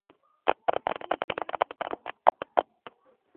აქ სტეატოპიგია ქალის სილამაზის მაჩვენებელია.